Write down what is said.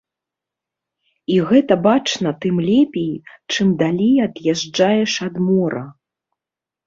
І гэта бачна тым лепей, чым далей ад'язджаеш ад мора.